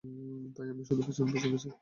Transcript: তাই আমি শুধু পেছন পেছন গেছি।